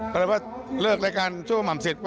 ก็เลยว่าเลิกรายการชั่วหม่ำเสร็จปุ